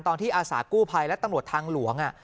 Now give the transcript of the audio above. อาสากู้ภัยและตำรวจทางหลวง